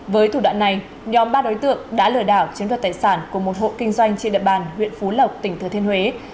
với thủ đoạn này nhóm ba đối tượng đã lừa đảo chiếm đoạt tài sản của một hộ kinh doanh trên địa bàn huyện phú lộc tỉnh thừa thiên huế